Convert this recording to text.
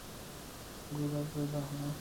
গোরা কহিল, হাঁ।